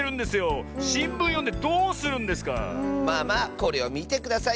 まあまあこれをみてください。